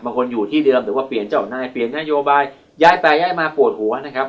คนที่อยู่ที่เดิมหรือว่าเปลี่ยนเจ้านายเปลี่ยนนโยบายย้ายไปย้ายมาปวดหัวนะครับ